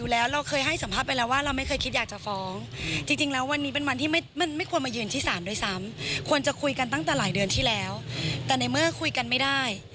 แล้วเมื่อคุยกันไม่ได้